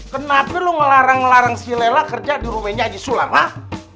kenapa lo ngelarang ngelarang si nelela kerja di rumahnya haji sulam hah